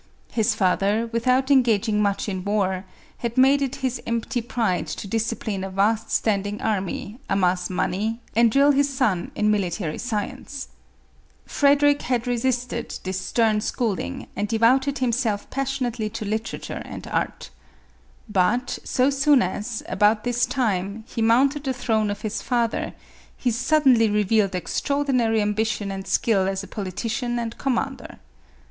His father, without engaging much in war, had made it his empty pride to discipline a vast standing army, amass money, and drill his son in military science. Frederic had resisted this at rn 192 MARIA THERESA. schooling and devoted himself passionately to litera ture and art. But, so soon as, about this time, he mounted the throne of his father, he suddenly revealed extraordinary ambition and skill as a politician and commander.